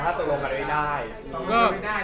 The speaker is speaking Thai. ถ้าส่งโทครับไว้ได้